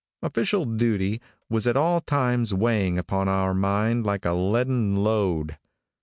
Official duty was at all times weighing upon our mind like a leaden load.